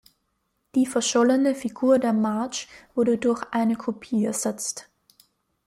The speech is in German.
Die verschollene Figur der "March" wurde durch eine Kopie ersetzt.